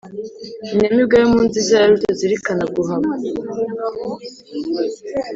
Inyamibwa yo mu nziza ya Rutazirikanaguhaba